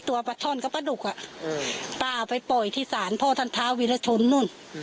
ปลาท่อนกับปลาดุกอ่ะป้าเอาไปปล่อยที่ศาลพ่อท่านท้าวีรชนนู่น